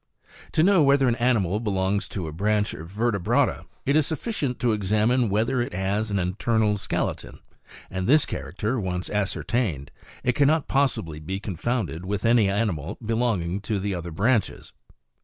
To know whether an animal belongs to the branch of vertebrata, it is suffi cient to examine whether it has an internal skeleton, and this character once ascertained, it cannot possibly be confounded with any animal belonging to the other branches.